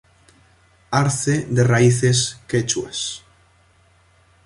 Arce de raíces quechuas.